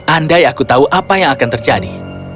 andai aku tahu apa yang akan terjadi